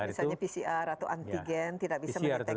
misalnya pcr atau antigen tidak bisa mendeteksi